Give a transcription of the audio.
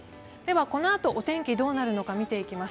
このあとお天気どうなるのか見ていきます。